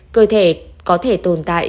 cơ thể có thể tồn tại